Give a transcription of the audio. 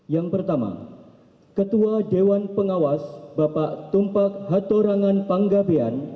yang pertama ketua dewan pengawas bapak tumpak hatorangan panggabean